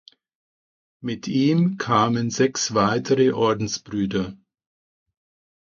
Mit ihm kamen sechs weitere Ordensbrüder.